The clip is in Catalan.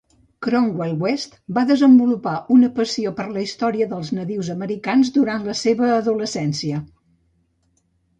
Cromwell West va desenvolupar una passió per la història dels nadius americans durant la seva adolescència.